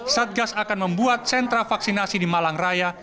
satgas akan membuat sentra vaksinasi di malang raya